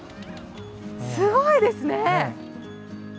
すごいですね！